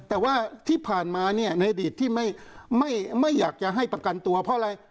แต่ว่าที่ผ่านมาเนี่ยในอดีตที่ไม่อยากจะให้ประกันตัวเพราะอะไร